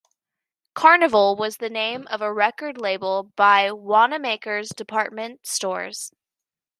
Carnival was the name of a record label by Wanamaker's department stores.